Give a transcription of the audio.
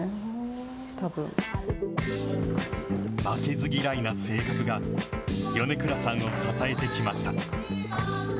負けず嫌いな性格が、米倉さんを支えてきました。